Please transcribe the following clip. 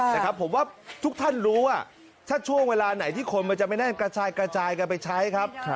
นะครับผมว่าทุกท่านรู้ว่าถ้าช่วงเวลาไหนที่คนมันจะไม่แน่นกระจายกันไปใช้ครับ